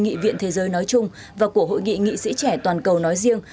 nghị viện thế giới nói chung và của hội nghị nghị sĩ trẻ toàn cầu nói riêng